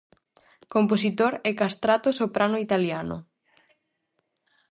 Compositor e castrato soprano italiano.